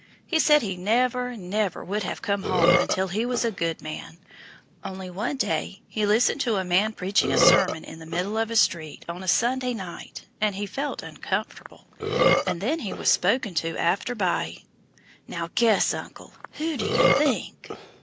He said he never, never would have come home until he was a good man, only one day he listened to a man preaching a sermon in the middle of a street on a Sunday night, and he felt uncomfortable, and then he was spoken to after by now guess, uncle, who do you think?"